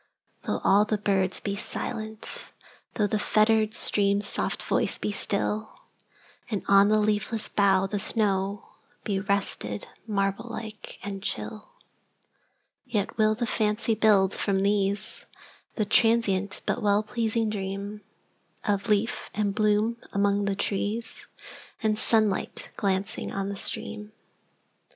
Though all the birds be silent,—thoughThe fettered stream's soft voice be still, And on the leafless bough the snowBe rested, marble like and chill,—Yet will the fancy build, from these, The transient but well pleasing dreamOf leaf and bloom among the trees, And sunlight glancing on the stream.